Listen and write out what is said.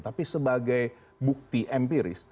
tapi sebagai bukti empiris